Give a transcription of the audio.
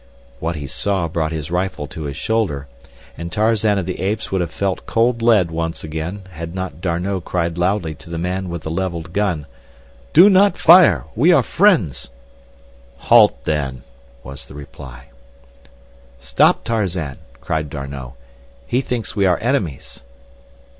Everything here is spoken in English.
What he saw brought his rifle to his shoulder, and Tarzan of the Apes would have felt cold lead once again had not D'Arnot cried loudly to the man with the leveled gun: "Do not fire! We are friends!" "Halt, then!" was the reply. "Stop, Tarzan!" cried D'Arnot. "He thinks we are enemies."